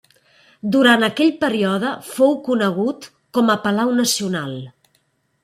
Durant aquell període fou conegut com a Palau Nacional.